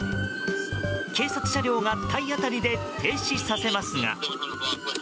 警察車両が体当たりで停止させますが。